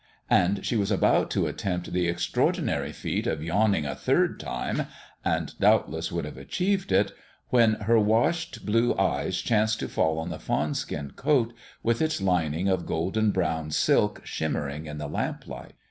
And she was about to attempt the extraordinary feat of yawning a third time and doubtless would have achieved it when her washed blue eyes chanced to fall on the fawn skin coat, with its lining of golden brown silk shimmering in the lamplight.